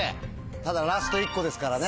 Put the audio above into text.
ただラスト１個ですからね。